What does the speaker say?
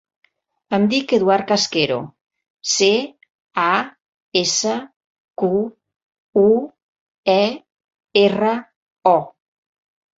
Em dic Eduard Casquero: ce, a, essa, cu, u, e, erra, o.